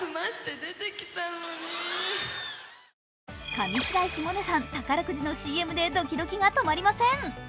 上白石萌音さん、宝くじのＣＭでドキドキが止まりません。